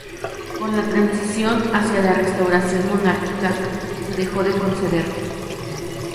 Con la transición hacia la restauración monárquica se dejó de conceder.